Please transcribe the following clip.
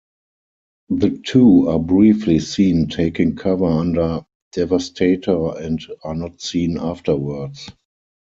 The two are briefly seen taking cover under Devastator and are not seen afterwards.